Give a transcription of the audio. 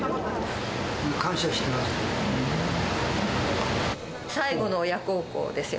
感謝していますよ。